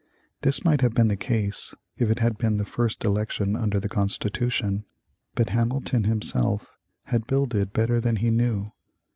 This might have been the case if it had been the first election under the Constitution, but Hamilton himself had builded better than he knew.